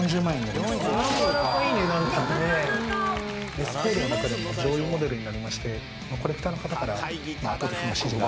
レスポールの中でも上位モデルになりましてコレクターの方から圧倒的な支持が。